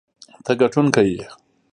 ته ګټونکی یې.